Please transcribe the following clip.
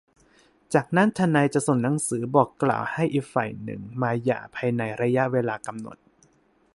จากนั้นทนายจะส่งหนังสือบอกกล่าวให้อีกฝ่ายหนึ่งมาหย่าภายในระยะเวลากำหนด